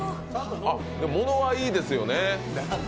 物はいいですよね。